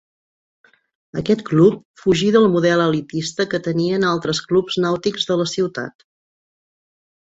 Aquest club fugí del model elitista que tenien altres clubs nàutics de la ciutat.